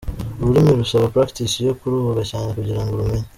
Ururimi rusaba practice yo kuruvuga cyane kugirango urumenye.